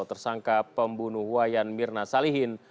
tersangka pembunuh wayan mirna salihin